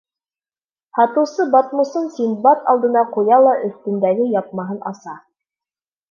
Һатыусы батмусын Синдбад алдына ҡуя ла өҫтөндәге япмаһын аса.